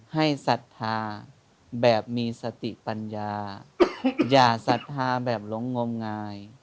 ศรัทธาแบบมีสติปัญญาอย่าศรัทธาแบบหลงงมงาย